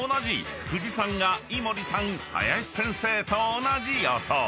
［藤さんが井森さん林先生と同じ予想］